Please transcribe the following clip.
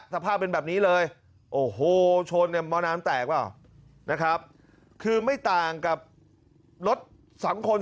สภาพเป็นแบบนี้เลยโอ้โหชนเนี่ยหม้อน้ำแตกเปล่านะครับคือไม่ต่างกับรถสองคน